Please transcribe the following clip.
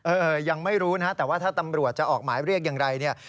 ยังไม่รู้นะฮะแต่ว่าถ้าตำรวจจะออกหมายเรียกอย่างไรเนี่ย